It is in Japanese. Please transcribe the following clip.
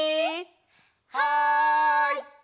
はい！